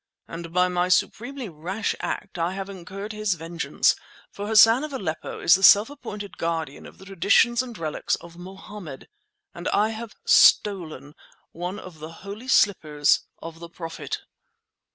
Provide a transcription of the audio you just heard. And by my supremely rash act I have incurred his vengeance, for Hassan of Aleppo is the self appointed guardian of the traditions and relics of Mohammed. And I have Stolen one of the holy slippers of the Prophet!